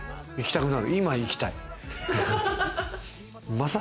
今行きたい。